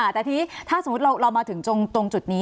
แต่ถ้าสมมติเรามาถึงตรงจุดนี้